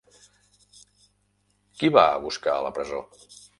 Qui va a buscar a la presó?